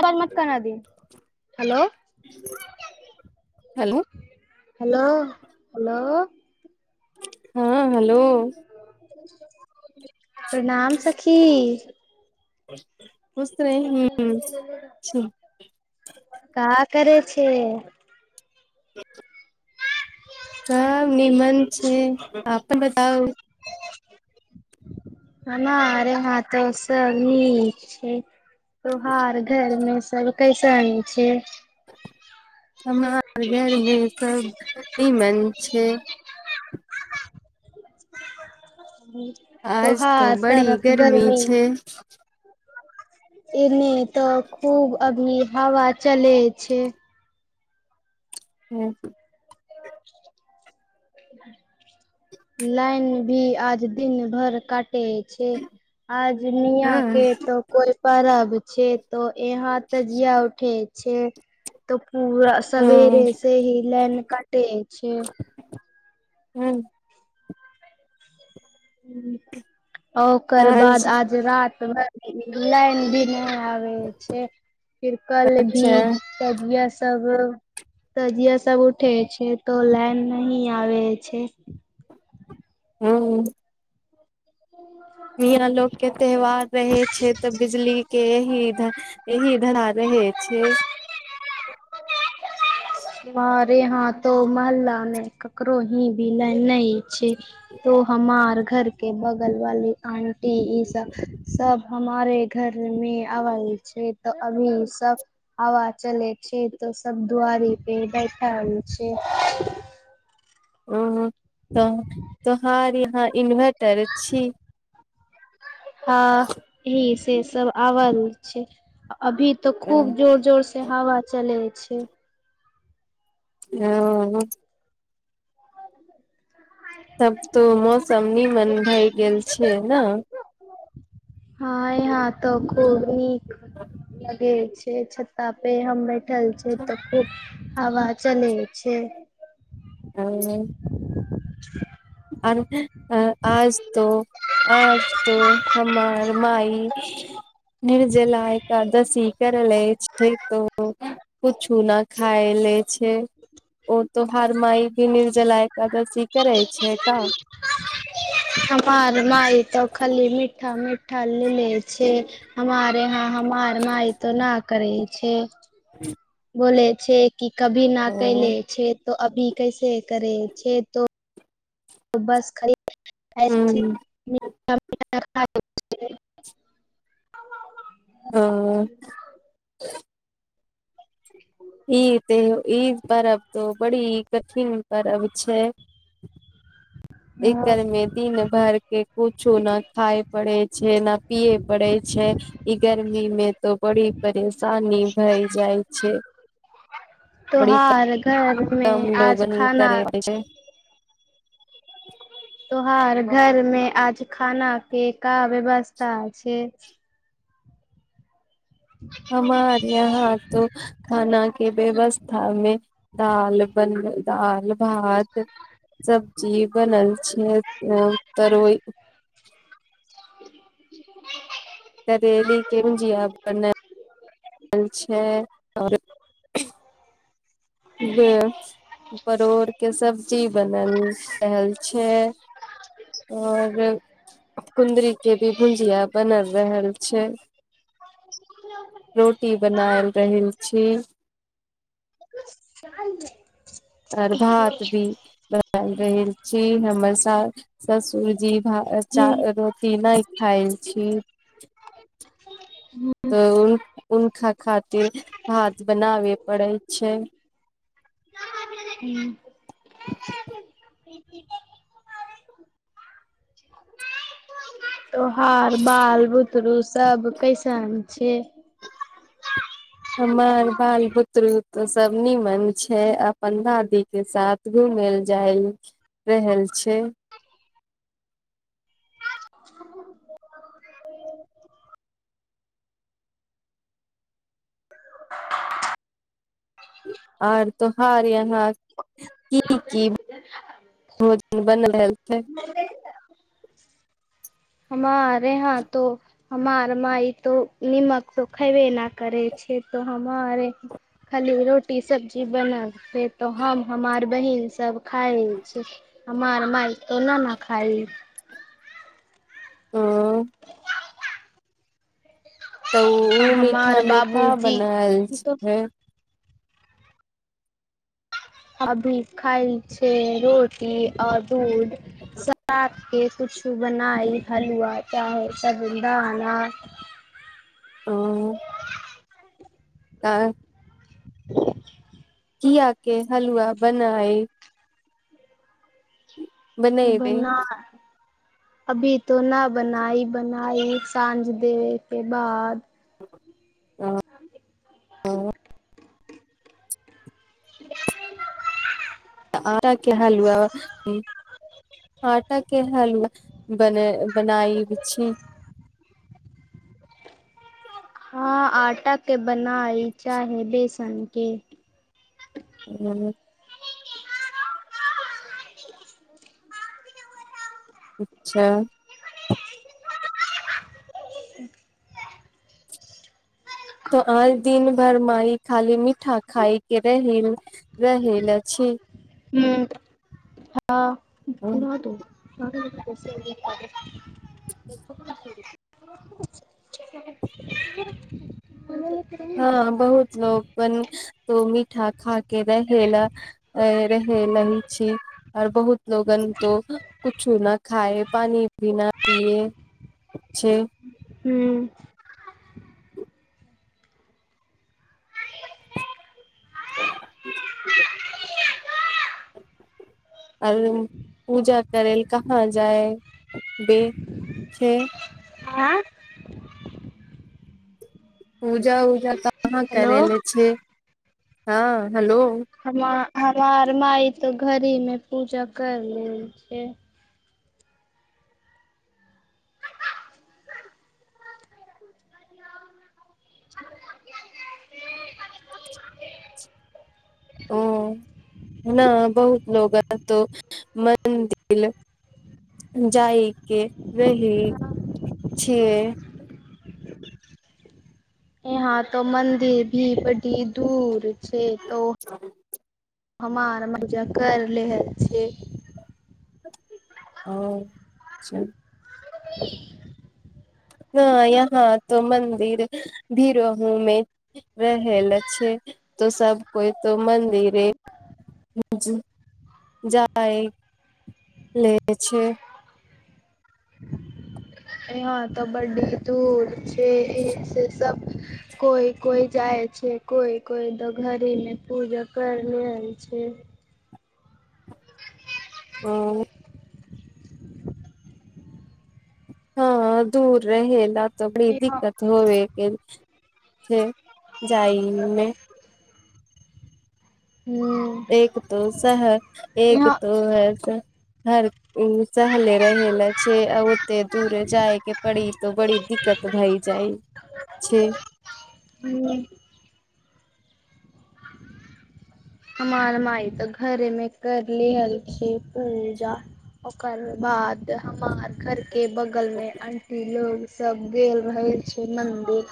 आर मातकान दी hello hello hello hello हँ हेलो प्रणाम सखी ब का करै छे [inaudible] [unintelligible] हां निमन छै आपन बताउ हमारे हाथो से सब नीक छै तोहार घर मे सब कैसन छै हमार घरमे सभ नीमन छै आज तऽ तोहार बड़ी तरफ गरमी गर्मी छै एने तऽ खूब अभी हवा चलै छै हू लाइन भी आज दिन भर कट छै आज मियां के त कोइ परब छै तो एहां तजिया उठे छै तऽ पूरा ओ सवेरे से ही लाइन काटे छै ह्म ओकर बाद आज रात भर लाइन भी नइ आबे छै फिर कल भी अच्छा तो बयस तब तजिया सब उठे छै तो लाइन नहि आबे छै हू ह [inaudible] मिंया लोग के त्यौहार रहे छै तऽ बिजली के यहि इधर यहि धरा रहे ए छै [inaudible] तुम्हारे यहा तो महल्ला मे ककरो ही भी लाइन नई छै हमार घरके बगल वाली आंटी ई सब सब हमारे घर मे आबैय छै तऽ अभी सब हवा चलै छै तऽ सब दुआरी बे बैठल छै ह तऽ तोहर यहाँ इन्वर्टर छी हँ ईहे से सब आवल छै अभी तऽ खूब जोर जोर से हावा चलै छै [inaudible] तब तऽ मौसम नीमन भए गेल छै ना हँ यहाँ तऽ खूब नीक लगै छै छता पे हम बैठल छै तऽ खुब हावा चलै छै हअ आ आज तो आज तो हमार माई निर्जला एकादशी करले छै तो कूछु न खाय छै ओ तोहार माई भी निर्जलाय एकादशी करै छै छै त हमार माय तऽ खाली मीठा मीठा ले लै छै हमारे यहा त हमार माय न करै छै बोलय छै इ कभी ना कैले छै त अभी कैसे करे छै तो बस खरी हम्म [inaudible] [inaudible] हाँ [inaudible] ई त ई परब त बड़ि कठिन परब छै [inaudible] दिनभैर मे इ किछ नइ खाय परेल छै नय पियल परैय छै ई गर्मी मे त बरी परेशानी भै भै जाइ छै बड़ी त्योहार घरमे कम आज लोगन खाना करे छै त्योहार घर मे आज खाना के आज का व्यवस्था छै हमार यहाँ तो खाना व्यवस्थामे दाल बन दाल भात सब्जी बनल छै अ तरोई [inaudible] करैली के भूजिया बनल छै आओर बे परोड़ के सब्जी बनल रहल छै और कुन्द्री के भी भुजिया बनल रहल छै रोटी बनायल रहल छी [unintelligible] और भात भी बनायल रहल छी हमर सास ससुरजी भा चा रोटी नहि खाायल छी त हुनका खातिर भात बनाबे पड़ै छै तोहार बाल बुतरू सब कैसन छै हमर बाल बुदरू तऽ सब निमन छै अपन दादी के साथ घुमैल जाइ रहल छै [inaudible] [inaudible] और तोहार यहाँ कि की भोजन बन रहल छै [inaudible] हमार यह तो हमार माइ तो नीमक तो खायबे न करे छै छै त हमार खाली रोटी सब्जी बनल फेर तऽ हम हमार बहिन सभ खाय छै हमार माय त ना न खाइ ओ [inaudible] तऽ आ ओ मीठा हमार मे का बाबूजी बनल तो छैै अभी खाइ छै रोटी और दूध सात के कुछु बनाइ हलुआ चाहे सबुलदाना ओ [unintelligible] तऽ [inaudible] किया के हलुआ बनाए बनेबै बनाए अभी तो न बनाई बनाई साँझ देबे के बाद [inaudible] [unintelligible] हँ [unintelligible] आटा के हलुआ आटा के हलुआ बने बनाई छी हँ आटा के बनाई चाहे बेसन के हू अच्छा तो आइ दिन भर माई खाली मीठा खाायके रहि रहेल छै हू ह उड़आ दो [unintelligible] [inaudible] [unintelligible] हँ बहुत लोक अपन तो मीठा खा के रहे ल रहे ल ही छी ओर बहुत लोगन तो कछ न खाय पानी भी ना पीए छै हू [unintelligible] [unintelligible] आर पूजा करै ल कहाँ जाय बे छै आँ पूजा उजा कहाँ हेलो करले छै हँ हलो हम हमार माय तो घरहि मे पूजा कर लेल छै ओ न बहुत लोग अतो मन्दिल जायके रही छिये यहाँ तो मन्दिर भी बड़ी दूर छै तो हमार मज कर लेहल छै औ अच्छह मुम्मी हँ यहाँ तो मन्दिर भीरोहुमे रहैल छै तो सब कोइ तो मन्दिर [unintelligible] जाइ ले [unintelligible] छै यहाँ त बड्डी दूर छै से सब कोइ कोइ जाइ छै कोइ कोइ दऽ घरहे मे पूजा कर लेइ छै ओ हँ दूर रहेला त बड़ी इहाँ दिक्कत होइ गेल छै जाइमे हूँ एक तो शहर एक तो ह हर उ सहले रहे ले छै आ ओते दूरे जाय के पड़ी त बड़ी दिक्कत भई जाय जाइ छै हूँ [inaudible] हमार माय तऽ घरे में कर लेहल छै पूजा ओकर बाद हमार घर के के बगलमे आंटी लोग सब गेल रहै छै मन्दिर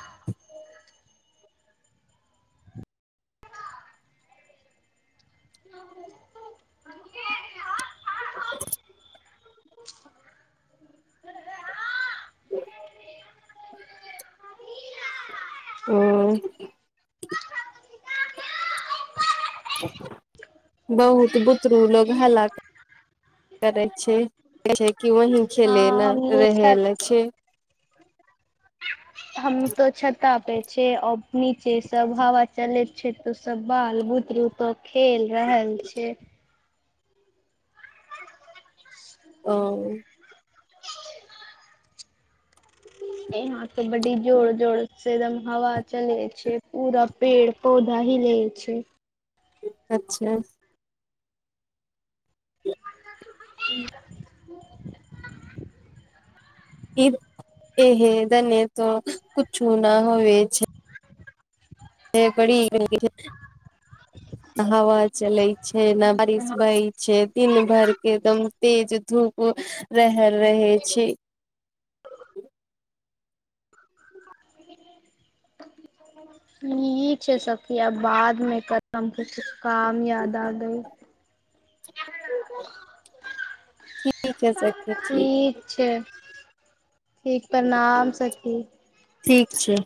[unintelligible] [unintelligible] [unintelligible] ओ बहुत बुतरू लोक हल्ला करै छै छै कि वही हँ खेले न हमनी रहै छत ल छै [unintelligible] हम त छता पे छै नीचे सब हवा चलैत छै तो सब बाल बु दरू तो त खेल रहल छै ओ [inaudible] एहां त बडी जोर जोर से एकदम हवा चले छै पूरा पेड़ पौधा ही लइ छै अच्छह [unintelligible] ई एहे दने त कुछू न होए छै से बड़ी हवा चलै छै बारिश बइ छै दिन भर के एकदम तेज धूप रेहे रहै छै [inaudible] नीक छै सखि आब बाद मे करम कहि काम याद आ गई [inaudible] ठीक है सख ठीक छै ठीक प्रणाम सखी ठीक छै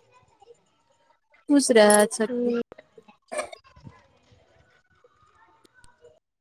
खुश रहै सखि